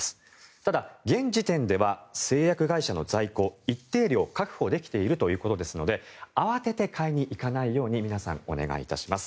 ただ、現時点では製薬会社の在庫一定量確保できているということですので慌てて買いに行かないように皆さん、お願いします。